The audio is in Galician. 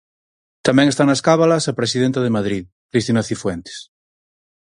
Tamén está nas cábalas a presidenta de Madrid, Cristina Cifuentes.